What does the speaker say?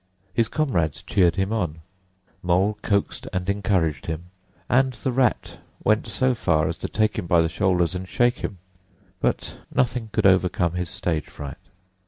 His comrades cheered him on, Mole coaxed and encouraged him, and the Rat went so far as to take him by the shoulders and shake him; but nothing could overcome his stage fright.